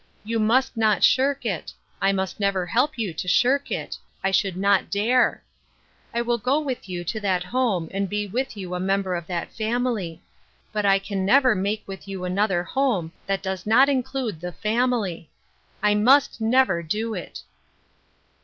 You must not shirk it ; I must never help you to shirk it ; I should not dare. I will go with you to that home, and be with you a member of that family. But I can never make with you another home that does not include t\iQ family. I mu»t never do it.''